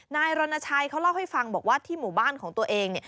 นายรณชัยเขาเล่าให้ฟังบอกว่าที่หมู่บ้านของตัวเอง